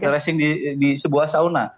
racing di sebuah sauna